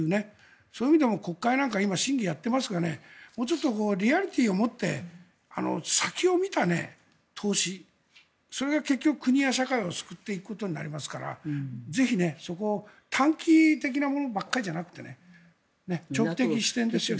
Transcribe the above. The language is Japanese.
そういう意味でも国会なんか今、審議やっていますがもうちょっとリアリティーを持って先を見た投資それが結局、国や社会を救っていくことになりますからぜひ、そこを短期的なものばかりじゃなくて長期的視点ですよね。